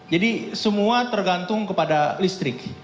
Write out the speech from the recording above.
semua tergantung kepada listrik